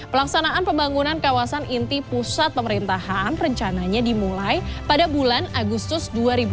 pelaksanaan pembangunan kawasan inti pusat pemerintahan rencananya dimulai pada bulan agustus dua ribu dua puluh